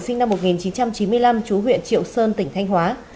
sinh năm một nghìn chín trăm chín mươi năm chú huyện triệu sơn tỉnh thanh hóa